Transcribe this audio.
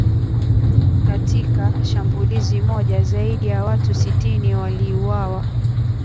Katika shambulizi moja zaidi ya watu sitini waliuawa